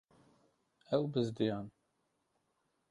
Ew bizdiyan.